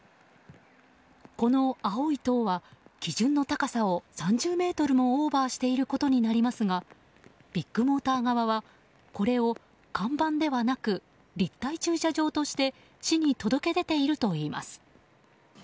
この青い塔は基準の高さを３０ｍもオーバーしていることになりますがビッグモーター側はこれを、看板ではなく立体駐車場として市に届け出ているといいます。